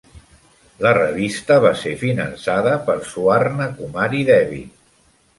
La revista va ser finançada per Swarnakumari Devi.